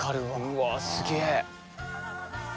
うわすげえ！